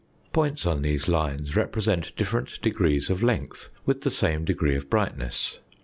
'' Points on these lines represent different 2i degrees of length with the same degree of brightness.